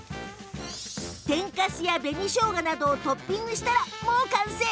天かすや紅しょうがなどをトッピングしたらもう完成。